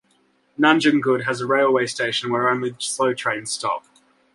Nanjangud has a railway station where only slow trains stop.